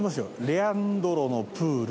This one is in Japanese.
「“レアンドロのプール”？」